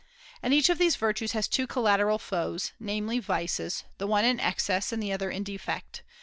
And each of these virtues has two collateral foes, namely vices, the one in excess and the other in defect.